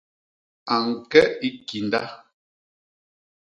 A ñke i kinda.